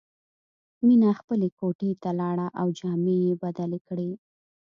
مینه خپلې کوټې ته لاړه او جامې یې بدلې کړې